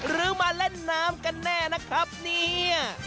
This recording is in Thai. หรือมาเล่นน้ำกันแน่นะครับเนี่ย